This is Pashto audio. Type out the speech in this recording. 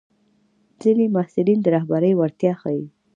ځینې محصلین د رهبرۍ وړتیا ښيي.